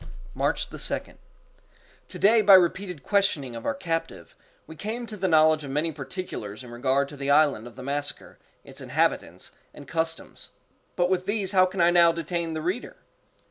March 2d. To day by repeated questioning of our captive, we came to the knowledge of many particulars in regard to the island of the massacre, its inhabitants, and customs—but with these how can I now detain the reader?